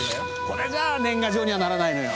これじゃあ年賀状にはならないのよ。